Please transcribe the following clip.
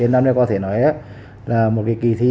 năm nay có thể nói là một kỳ thi